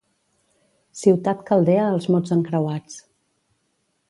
Ciutat caldea als mots encreuats.